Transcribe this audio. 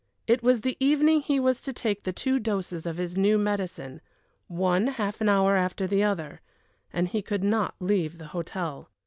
It was the evening he was to take the two doses of his new medicine, one half an hour after the other, and he could not leave the hotel.